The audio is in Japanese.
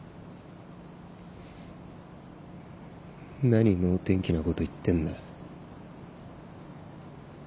何能天気なこと言ってんだ。